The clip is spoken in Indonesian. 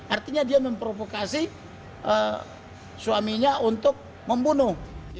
artinya dia memprovokasi suaminya untuk membunuh